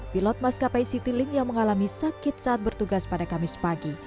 pilot maskapai citylink yang mengalami sakit saat bertugas pada kamis pagi